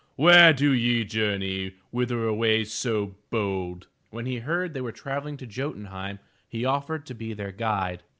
"Where do ye journey? Whither away so bold?" When he heard they were travelling to Jo'tun heim he offered to be their guide.